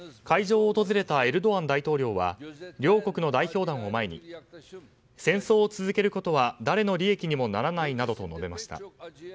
会場を訪れたエルドアン大統領は両国の代表団を前に戦争を続けることは誰の利益にもならないなどと述べました。